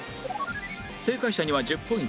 正解者には１０ポイント